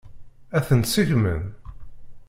Ad tent-seggmen?